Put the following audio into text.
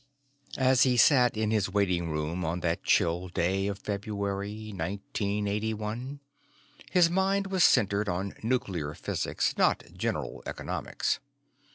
As he sat in his waiting room on that chill day of February, 1981, his mind was centered on nuclear physics, not general economics.